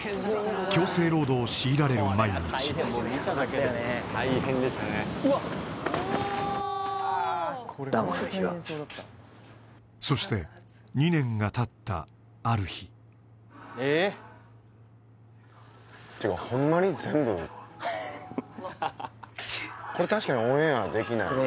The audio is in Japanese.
強制労働を強いられる毎日そして２年がたったある日えっていうかこれ確かにこれオンエアできない